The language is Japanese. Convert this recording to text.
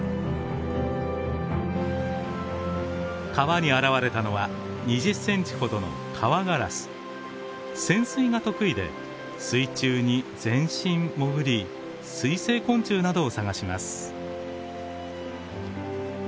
川に現れたのは２０センチほどの潜水が得意で水中に全身潜り水生昆虫などを探します。